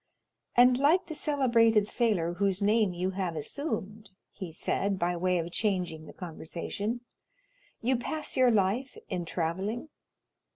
"And like the celebrated sailor whose name you have assumed," he said, by way of changing the conversation, "you pass your life in travelling?"